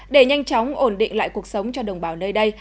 để nhanh chóng ổn định lại cuộc sống cho đồng bào nơi đây